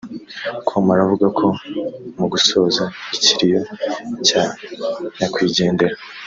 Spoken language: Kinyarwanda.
com aravuga ko mu gusoza ikiriyo cya nyakwigendera